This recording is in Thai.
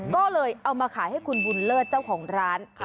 ก็เลยเอามาขายให้คุณบุญเลิศเจ้าของร้าน